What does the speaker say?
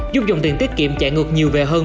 giúp dòng tiền tiết kiệm chạy ngược nhiều về hơn